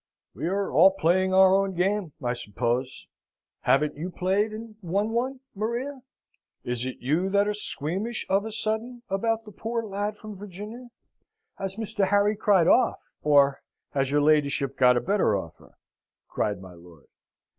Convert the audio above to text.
"We are all playing our own game, I suppose. Haven't you played and won one, Maria? Is it you that are squeamish of a sudden about the poor lad from Virginia? Has Mr. Harry cried off, or has your ladyship got a better offer?" cried my Lord.